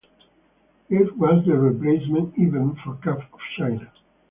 It was the replacement event for Cup of China.